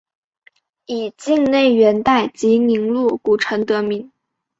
以境内元代集宁路古城得名。